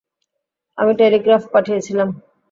আমি টেলিগ্রাফ পাঠিয়েছিলাম।